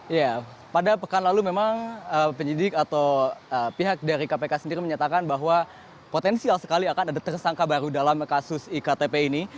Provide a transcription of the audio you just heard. ya pada pekan lalu memang penyidik atau pihak dari kpk sendiri menyatakan bahwa potensial sekali akan ada tersangka baru dalam kasus iktp ini